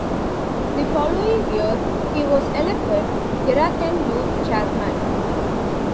The following year, he was elected Gerakan Youth chairman.